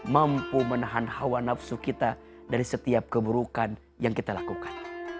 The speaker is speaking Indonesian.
mampu menahan hawa nafsu kita dari setiap keburukan yang kita lakukan